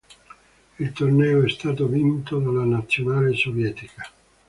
Il torneo è stato vinto dalla nazionale sovietica.